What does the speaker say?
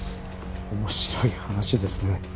面白い話ですね。